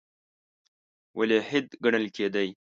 ولیعهد ګڼل کېدی.